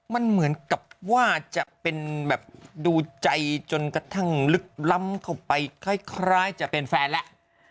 มันเหมือนกับว่าจะเป็นแบบดูใจจนกระทั่งลึกล้ำเข้าไปคล้ายจะเป็นแฟนแล้ว